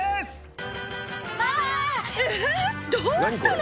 えっ⁉どうしたの？